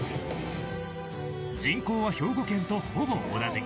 人口は兵庫県とほぼ同じ。